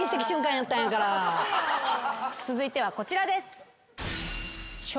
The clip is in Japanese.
続いてはこちらです。